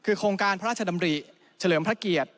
คือโครงการพระราชดำริเฉลิมพระเกียรติ